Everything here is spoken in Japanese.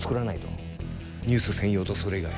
ニュース専用とそれ以外。